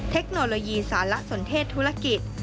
เทคโนโลยีสารสนเทศธุรกิจ